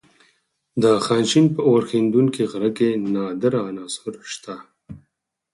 د خانشین په اورښیندونکي غره کې نادره عناصر شته.